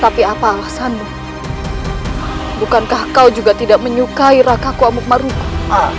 tapi apa alasanmu bukankah kau juga tidak menyukai rakaku amuk maruku